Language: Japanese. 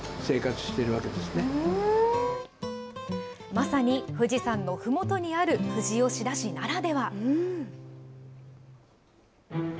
まさに富士山のふもとにある富士吉田市ならでは。